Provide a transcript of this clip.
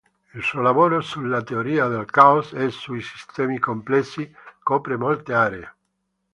Il suo lavoro sulla teoria del caos e sui sistemi complessi copre molte aree.